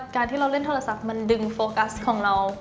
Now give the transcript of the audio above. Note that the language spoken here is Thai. การที่เราเล่นโทรศัพท์มันดึงโฟกัสของเรา